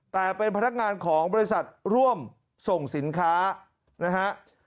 แต่เป็นพนักงานของบริษัทร่วมส่งสินค้านะฮะ